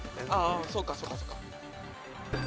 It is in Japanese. ああそうかそうかそうか。